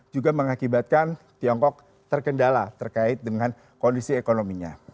juga mengakibatkan tiongkok terkendala terkait dengan kondisi ekonominya